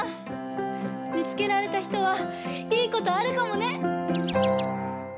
見つけられたひとはいいことあるかもね！